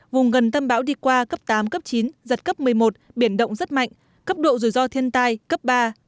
vùng gần tâm bão đi qua cấp tám cấp chín giật cấp một mươi một biển động rất mạnh cấp độ rủi ro thiên tai cấp ba